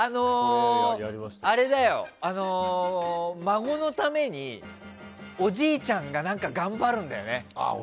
あれだよ、孫のためにおじいちゃんが頑張るんだよね。